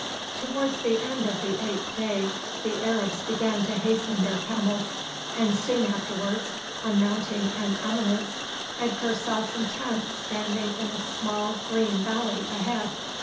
Towards the end of the eighth day the Arabs began to hasten their camels, and soon afterwards, on mounting an eminence, Edgar saw some tents standing in a small green valley ahead.